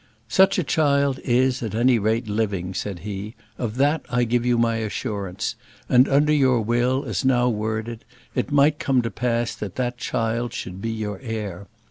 "Such a child, is, at any rate, living," said he; "of that I give you my assurance; and under your will, as now worded, it might come to pass that that child should be your heir.